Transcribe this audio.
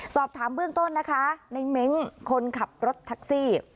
สอบถามเบื้องต้นนะคะในเม้งคนขับรถแท็กซี่